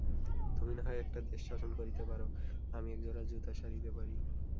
তুমি না হয় একটা দেশ শাসন করিতে পার, আমি একজোড়া জুতা সারিতে পারি।